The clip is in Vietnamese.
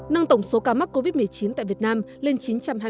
nâng tổng số ca mắc covid một mươi chín tại việt nam lên chín trăm hai mươi ca